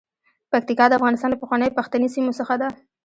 پکتیکا د افغانستان له پخوانیو پښتني سیمو څخه ده.